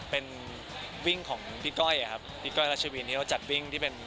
เป็นวิ่งของพี่ก้อยครับพี่ก้อยรัชวินที่เขาจัดวิ่งที่เป็น